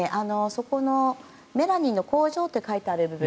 そこのメラニンの工場と書いてある部分